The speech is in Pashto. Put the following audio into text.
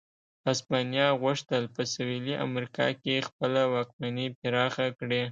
هسپانیا غوښتل په سوېلي امریکا کې خپله واکمني پراخه کړي.